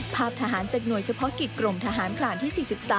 ทหารจากหน่วยเฉพาะกิจกรมทหารพรานที่๔๓